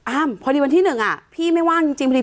อา่มพอดีวันที่๑หายนี่ว่างจริง